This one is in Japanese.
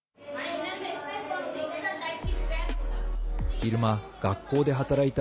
昼間、学校で働いた